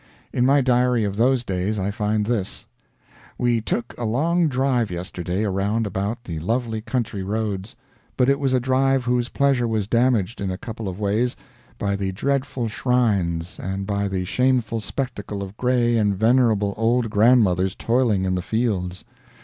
In my diary of those days I find this: "We took a long drive yesterday around about the lovely country roads. But it was a drive whose pleasure was damaged in a couple of ways: by the dreadful shrines and by the shameful spectacle of gray and venerable old grandmothers toiling in the fields.